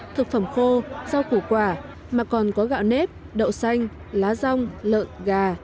thực phẩm khô rau củ quả mà còn có gạo nếp đậu xanh lá rong lợn gà